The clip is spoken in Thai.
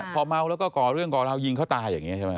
พอเมาแล้วก็ก่อเรื่องก่อราวยิงเขาตายอย่างนี้ใช่ไหม